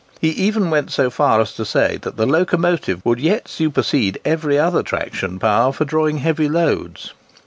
He even went so far as to say that the locomotive would yet supersede every other traction power for drawing heavy loads.